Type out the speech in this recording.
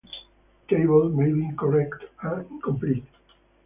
Table may be incorrect and incomplete.